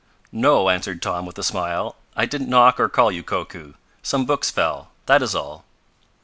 "No," answered Tom with a smile, "I didn't knock or call you, Koku. Some books fell, that is all."